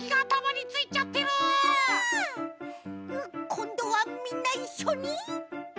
こんどはみんないっしょに！